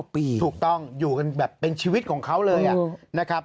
ถูกต้องอยู่กันแบบเป็นชีวิตของเขาเลยนะครับ